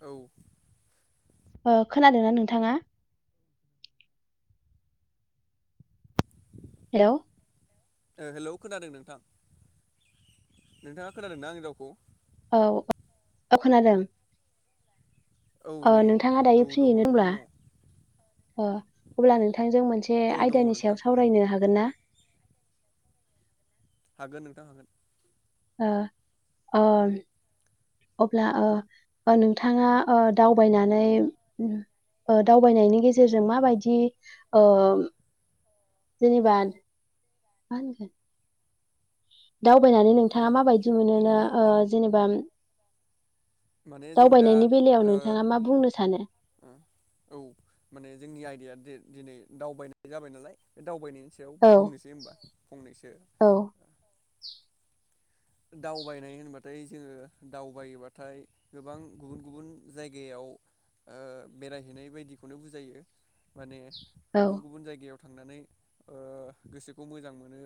औ ओ खोनादोंना नोंथाङा हेलौ ओ हेलौ खोनादों नोंथां नोंथाङा खोनादोंना आंनि रावखौ औ औ औ खोनादों औ अ दङ नोंथाङा औ दायो दङ फ्रियैनो नोंथां होनब्ला दङ अ अब्ला नोंथांजों मोनसे औ दङ आयदानि नोंथां सायाव उम सावरायनो हागोन ना हागोन नोंथां हागोन ओ ओ अब्ला ओ ओ नोंथाङा ओ दावबायनानै उम ओ दावबायनायनि गेजेरजों माबायदि ओ जेनेबा मा होनगोन दावबायनानै माने नोंथाङा माबायदि मोनोना ओ जेनेबा माने जों दा दावबायनायनि बेलायाव ओ नोंथाङा मा बुंनो सानो ओ औ माने जोंनि आयदाया दि दिनै दावबायनाय जाबाय नालाय बे दावबायनायनि सायाव औ बुंनोसै होमबा फंनैसो औ दावबायनाय होनबाथाय जोंङो दावबायोबाथाय गोबां गुबुन गुबुन जायगायाव ओ बेरायहैनाय बायदिखौनो बुजायो माने औ गुबुन गुबुन जायगायाव थांनानै ओ गोसोखौ मोजां मोनो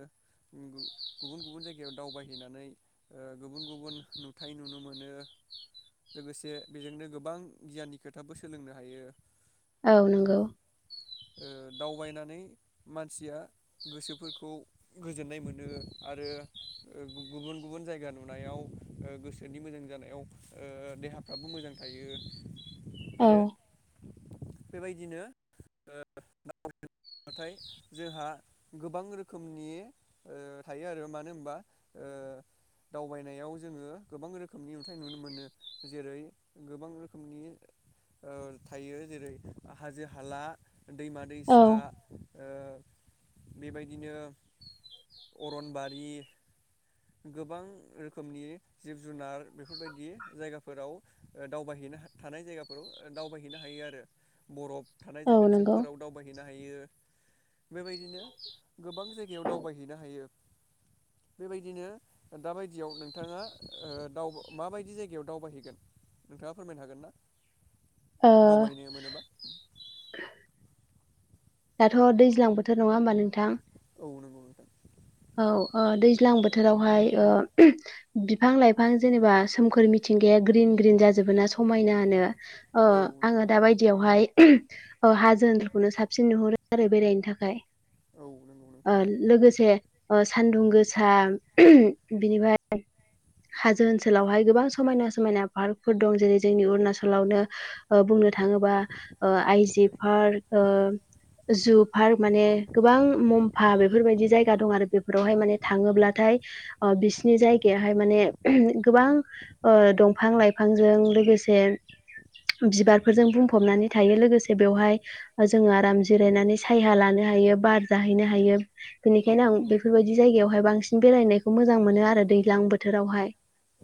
उम गु गुबुन गुबुन जायगायाव दावबायहैनानै ओ गुबुन गुबुन नुथाय नुनो मोनो लोगोसे बेजोंनो गोबां गियाननि खोथाबो सोलोंनो हायो औ नंगौ। ओ दावबायनानै मानसिया गोसोफोरखौ गोजोननाय मोनो आरो [inaudible] गुबुन गुबुन जायगा नुनायाव गोसोनि मोजां जानायाव ओ देहाफ्राबो मोजां थायो। औ आरो बेबायदिनो [unintelligible] [inaudible] नाथाय जोंहा गोबां रोखोमनि थायो आरो मानो होनबा ओ [inaudible] दावबायनायाव जोंङो गोबां रोखोमनि अन्थाइ नुनो मोनो जेरै गोबां रोखोमनि ओ थायो जेरै- हाजो-हाला औ दैमा-दैसा ओ बेबायदिनो अरनबारि गोबां रोखोमनि जिब जुनार बेफोरबायदि जायगाफोराव दावबाय थानाय जायगाफोराव दावबायहैनो हायो आरो बरफ थानाय औ नंगौ ओनसोलफोराव दावबायहैनो हा यो बेबायदिनो गोबां जायगायाव दावबायैनो हायो। बेबायदिनो दाबायदियाव नोंथाङा माबायदि जायगायाव दावबायहैगोन? नोंथाङा फोरमायनो हागोन ना ओ दावबायनो मोनोबा? दाथ' दैज्लां बोथोर नङा होमबा नोंथां नंगौ नंगौ औ दैज्लां बोथोरावहाय ओ बिफां लाइफां जेनेबा सोमखोर मि मिथिंगाया ग्रिन ग्रिन जाजोबो ना समायनानो औ नंगौ आंङो दा नोंथां बायदियावहाय औ हाजो ओनजोलखौनो साबसिन नुहरो आरो बेरायनो थाखाय औ नंगौ नोंथां ओ लोगोसे सान्दुं गोसा बिनिफ्राय हाजो ओनसोलावहाय गोबां समायना समायना पार्कफोर दं जेरै जोंनि अरुणाचलावनो बुंनो थाङोबा ओ आइजि पार्क जु पार्क माने गोबां मम्फा बेफोरबायदि जायगा दं आरो बेफोरावहाय माने थाङोब्लाथाय बिसिनि जायगायाहाय माने गोबां ओ दंफां लाइफांजों लोगोसे बिबारफोरजों बुंफबनानै थायो लोगोसे बेवहाय जोंङो आराम जिरायनानै साया लानो हायो बार जाहैनो हायो। औ बेनिखायनो आं नंगौ नोंथां बेफोरबायदि जायगायावहाय बांसिन बेरायनायखौ मोजां मोनो आरो दैज्लां बोथोरावहाय।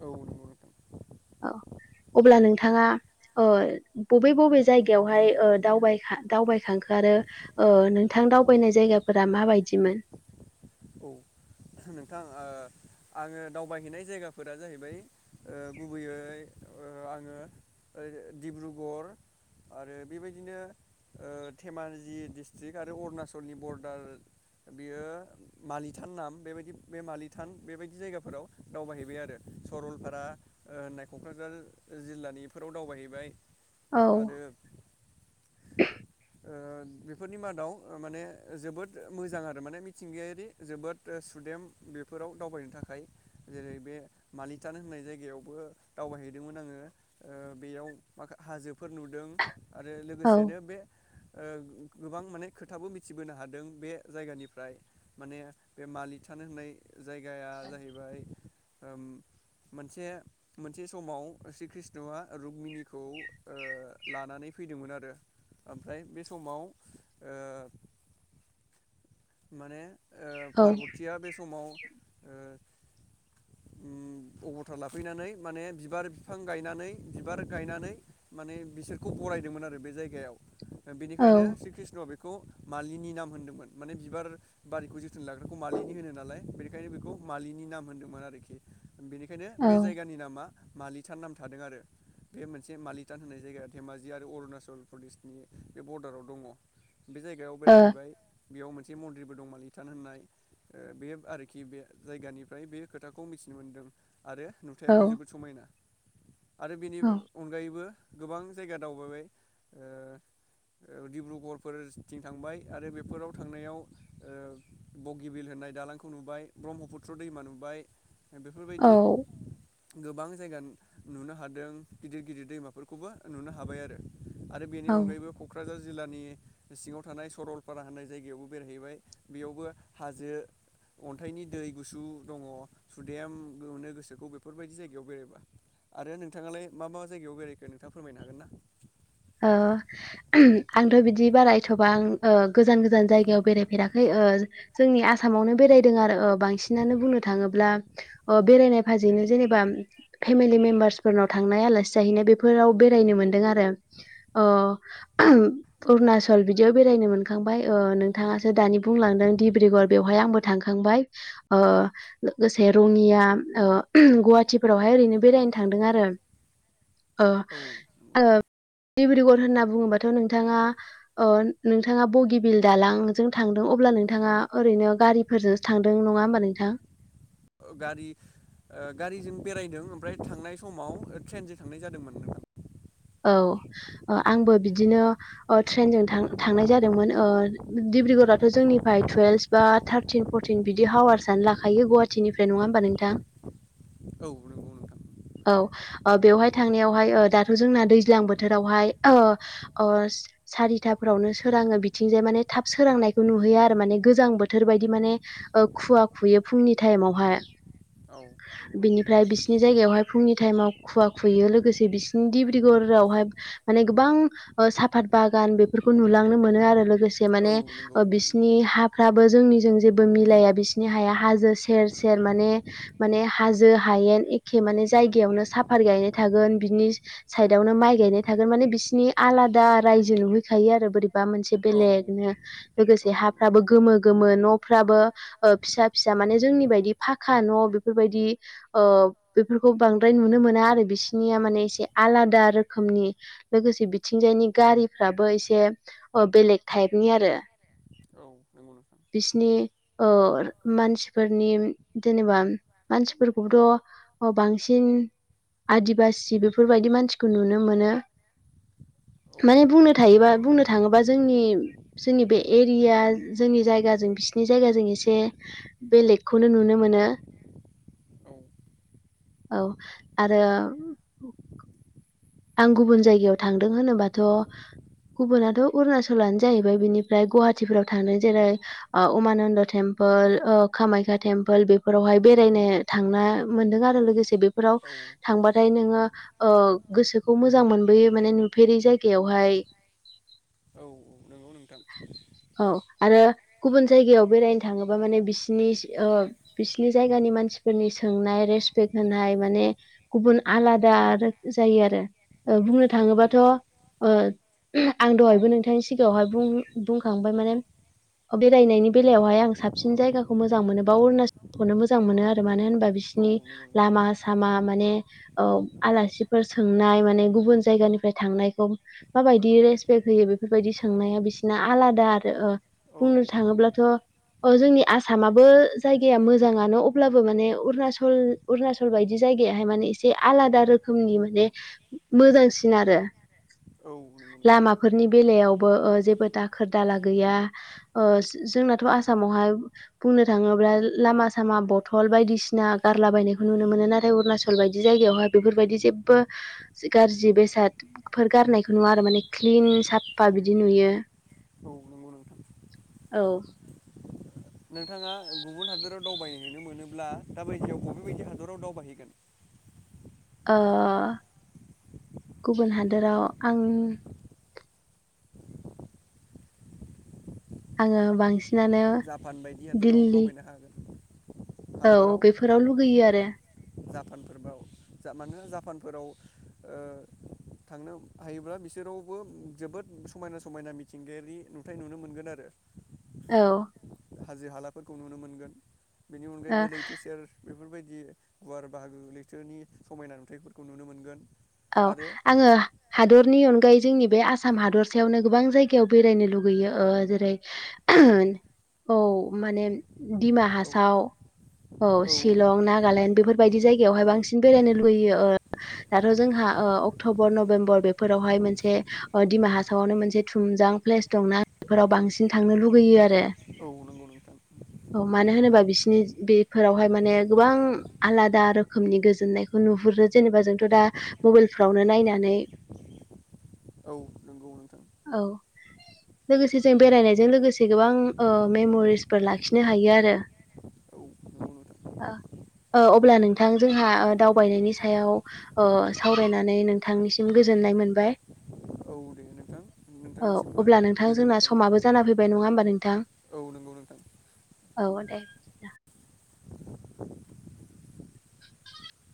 औ नंगौ औ अब्ला नोंथाङा ओ बबे बबे जायगायावहाय दबाय दावबायखांखो आरो ओ नोंथां दावबायनाय जायगाफोरा मा बायदिमोन? औ नोंथां आंङो दावबायहैनाय जायगाफोरा जाहैबाय ओ गुबैयै आंङो डिब्रुगर आरो बेबायदिनो ओ धेमाजि डिस्ट्रिक्ट आरो अरुणाचलनि बरडार बियो मालिथान नाम बेबायदि बे मालिथान बेबायदि जायगाफोराव दावबायहैबाय आरो सरलपारा होननाय क'क्राझार जिल्लानिफोराव दावबायहैबाय आरो ओ बेफोरनि मादाव माने जोबोद मोजां आरो माने मिथिंगायारि जोबोद सुदेम बेफोराव दावबायनो थाखाय जेरै बे मालिटान होननाय जायगायाव दावबायहैदोंमोन आङो ओ बेयाव माख- हाजोफोर नुदों। आरो लोगोसेनो बे ओ गोबां माने खोथाबो मिथिबोनो हादों बे जायगानिफ्राय माने बे मालि थानो होननाय जायगाया जाहैबाय ओ मोनसे मोनसे समाव श्री कृष्णआ रुग्मिनिखौ ओ लानानै फैदोंमोन आरो ओमफ्राय बे समाव ओ [inaudible] माने ओ पार्बथिया बे समाव ओ [inaudible] उम अबथार लाफैनानै माने बिबार बिफां गायनानै बिबार गायनानै माने बिसोरखौ बरायदोंमोन आरो बे जायगायाव बेनिखायनो श्री कृष्णआ बेखौ मालिनि नाम होनदोंमोन। माने बिबार बारिखौ जोथोन लाग्राखौ मालिनि होनो नालाय बेनिखायनो बेखौ मालिनि नाम होन्दोंमोन आरोखि। बेनिखायनो बे जायगानि नामा मालिथान नाम थादों आरो। बे मोनसे मालिथान होननाय जायगाया धेमाजि आरो अरुणाचल प्रदेशनि बे बरदाराव दङ'। बे जायगायाव बेरायहैबाय बेयाव मोनसे मन्दिरबो दं माललिटान होननाय ओ बे आरोखि बे जायगानिफ्राय बे खोथाखौ मिथिनो मोनदों। आरो नुथायाबो जोबोद समायना आरो बेनि अनगायैबो गोबां जायगा दावबायबाय ओ ओ डिब्रुगरफोरथिं थांबाय आरो बेफोराव थांनायाव ओ बगिबिल होननाय दालांखौ नुबाय, ब्रह्मपुत्र दैमा नुबाय। बेफोरबायदि गोबां जायगा नुनो हादों गिदिर गिदिर दैमाफोरखौबो नुनो हाबाय आरो। आरो बेनि औ अनगायैबो क'क्राझार जिल्लानि सिङाव थानाय सरलपारा होनानाय जायगायावबो बेरायहैबाय बेयावबो हाजो अन्थाइनि दै गुसु दङ सुदेम मोननो गोसोखौ बेफोरबायदि जायगायाव बेरायबा आरो नोंथाङालाय मा मा जायगायाव बेरायखो नोंथाङा फोरमायनो हागोन ना? औ आंथ' बिदि बारायथ'बां ओ गोजान गोजान जायगायाव बेरायफेराखै। ओ जोंनि आसामावनो बेरायदों आरो ओ बांसिनानो बुंनो थाङोब्ला ओ बेरायनाय भाजिनो जेनेबा फेमिलि मेम्बारसफोरनाव थांनाय आलासि जाहैनाय बेफोराव बे बेरायनो मोनदों आरो अ अरुणचल बिदियाव बेरायनो मोनखांबाय ओ नोंथाङासो दानि बुंलांदों डिब्रुगर बेवहाय आंबो थांखांबाय ओ ओसे रङिया ओ गुवाहाटी फोराव हाय ओरैनो बेरायनो थांदों आरो ओ, औ ओ डिब्रुगर होनना बुङोबाथ' नोंथाङा ओ नोंथाङा बगिबिल दालांजों थां दों अब्ला नोंथाङा ओरैनो गारिफोरजोंसो थांदों नङा होनबा नोंथां? ओ गारि ओ गारिजों बेरायदों ओमफ्राय थांनाय समाव ओ ट्रेनजों थांनाय जादोंमोन लोगो। औ आंबो ओ बिदिनो ओ ट्रेनजों थांनाय जादोंमोन ओ डिब्रुगर आव थ' जोंनिफ्राय टुवेल्भ बा थार्टिन फरटिन बिदि हावार्सआनो लाखायो गुवाहाटिनिफ्राय नङा होमबा नोंथां? [inaudible] औ नोंगौ नोंगौ औ ओ बेवहाय थांनायावहाय ओ दाथ' जोंना दैज्लां बोथोरावहाय ओ ओ सारिथाफोरावनो सोराङो बिथिंजाय माने थाब सोरां नायखौ नुहैयो आरो माने गोजां बोथोर बायदि माने ओ खुवा खुयो फुंनि टाइमावहाय। औ नोंथां ओमफ्राय बिसिोरनि जायगायावहाय फुंनि टाइमाव खुवा खुयो लोगोसे बिसोरनि दि दिब्रुगर आवहाय माने गोबां साफात बागान बेफोरखौ नुलांनो मोनो आरो लोगो से माने औ नंगौ नोंथां बिसनि हा फ्राबो जोंनिजों जेबो मिलाया बिसिनि हाया हाजो सेर सेर माने माने हाजो हा हायेन एखे माने जायगायावनो साफात गायनाय थागोन बिनि साइद साइडआवनो थाबाय माने आवनो माइ गायनाय थागोन माने बिसिनि आलादा रायजो नुहैखायो आरो बोरैब बा मोनसे बेलेगनो लोगोसे नुखायो आरो हाफ्राबो गोमो गोमो न'फ्राबो ओ फिसा फिसा माने जोंनि बायदि फाखा न' बेफोरबायदि ओ बेफोरखौ बांद्राय नुनो मोना आरो बिसिनिया माने एसे आलादा रोखोमनि लोगोसे बिथिंजायनि गारिफ्राबो एसे बेलेग टाइप नि आरो औ नंगौ नोंथां बिसिनि ओ मानसिफोरनि जेनेबा मानसिफोरखौबोथ' अ बांसिन आदिबासि बेफोरबायदि मानसिखौ नुनो मोनो। माने बुंनो थायोबा बुंनो थाङोबा जोंनि जोंनि बे एरिया जोंनि जायग जों बिसिनि जायगाजों एसे बेलेगखौनो नुनो मोनो। औ आरो आं गुबुन जायगायाव थांदों होनोबाथ' गुबुनाथ' अरुणाचलानो जाहैबाय बेनिफ्राय गुवाहाटिफोराव थांदों जेरै अमानन्द टेम्प पोल कामाख्या टेम्पोल बेफोरावहाय बेरायनो थांना मोनदों आरो लोगोसे बे फोराव औ थांबाथाय नोङो ओ गोसोखौ मोजां मोनबोयो माने नुफेरै जायगायावहाय औ नंगौ गोमो न'फ्राबो औ नंगौ नोंथां औ बेफोरावहाय बेरायनो थांना मोनदों आरो औ औ आरो गुबुन जायगायाव बेरायनो थाङोबा माने बिसिनि ओ बिसिनि जायगानि मानसिफोरनि सोंनाय रा रेसपेक होनाय माने गुबुन आलादा रोखोम जायो आरो बुंनो थाङोबाथ' औ आं दहायबो नोंथांनि सिगाङावहाय बुं-बुंखांबाय माने बेरायनायनि बेलायावहाय आं साबसिन जायगाखौ मोजां मोनो बा अरुणाचलखौनो मोजां मोनो आरो मानो होन औ बिसिनि नंगौ नोंथां औ लामा सामा माने ओ आलासि फोर सोंनाय माने गुबुन जायगानिफ्राय थांनायखौ माबायदि रेसपेक्ट होयो बेफोरबायदि सोंनाया बि बिसिना आलादा आरो बुंनो थाङोब्लाथ' अ जोंनि आसामाबो जायगाया मोजाङानो अब्लाबो माने अरुणाचल बायदि जायगा या माने एसे आलादा रोखो खोमनि माने मोजांसिन आरो लामाफोरनि बेलायावबो जेबो दाखोर दाला गै जोंनाथ' आसामावहाय बुंनो थाङोब्ला लामा सामा बथ'ल बायदिसिना गारला बायनायखौ नुनो मोनो नाथाय अरुणाचल बायदि जायगायाव बेफोरबायदि जेबो गाज्रि बेसादफोर गारनायखौ नुवा आरो माने क्लिन साफा बिदि नुयो। नंगौ नोंथां औ नंगौ नोंथां औ नंगौ नोंथां औ नंगौ नोंथां औ नोंथाङा गुबुन हादराव दावबायहैनो मोनोब्ला दााबायदियाव बबेबायदि हादराव दावबायहैगोन? ओ गुबुन हादोराव आं आङो बांसिन जापान बायदि हादराव दावबायनो हागोन। औ बेफोराव लुगैयो आरो। जापानफोरबाव जा मानो जापानफोराव थांनो हायोब्ला बिसोरावबो जोबोद समायना समायना मिथिंगायारि नुथाय नुनो मोनगोन आरो। औ हाजो हालाफोरखौ नुनो मोनगोन बेनि अनगायैबो ओ लैथो सेर बेफोरबायदि गुवार बाहागो लैथोनि समायना नुथायाइफोरखौ नुनो मोनगोन। औ आरो आङो हादर नि अनगायै जोंनि बे आसाम हादरसायावनो गोबां जायगायाव बेरायनो लुगैयो ओ जेरै औ माने डिमा औ हासाव औ शिलं नागालेण्ड बेफोरबायदि जायगायावहाय औ बांसिन बेरायनो लुुबैयो ओ रो जोंहा ओ अक्ट'बर नबेम्बर बेफोरावहाय मोनसे ओ दिमा हासावनो मोनसे थुमजां प्लेस दंना बेफोराव बांसिन थांनो लुुबैयो आरो औ नंगौ नों [unintelligible] औ मानो होनोबा बिसिनि बेफोरावहाय माने गोबां आलादा रोखोमनि गोजोननायखौ नु हुरो जेनेबा जोंथ' दा मबाइलफ्रावनो नायनानै औ नंगौ नोंथां [inaudible] लोगोसे जों बेरायनायजों लोगोसे गोबां ओ मेम'रिसफोर लाखिनो हायो आरो [inaudible] औ नंगौ नोंथां ओ अब्ला नोंथां जोंहा दावबायनायनि सायाव अ सावरायनानै नोंथांनिसिम गोजोननाय मोनबाय औ दे नोंथां औ नोंथांनिसिमबो अब्ला नोंथां गोजोननाय जोंना थाबाय समाबो जाना फैबाय नङा होमबा नोंथां। औ नंगौ नोंथां औ दे